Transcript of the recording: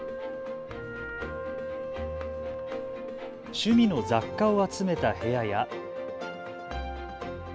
趣味の雑貨を集めた部屋や。